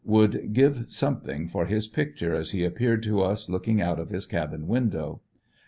Would give something for his picture as he appeared to us looking out of his cabin window.